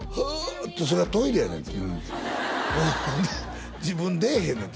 ってそれがトイレやねんてで自分出えへんねんて